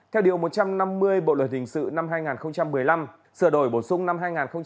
theo điều một trăm năm mươi bộ luật hình sự năm hai nghìn một mươi năm sửa đổi bổ sung năm hai nghìn một mươi bảy